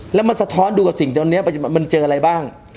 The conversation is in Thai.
แล้วมันสะท้อนดูกับสิ่งตอนนี้มันเจออะไรบ้าง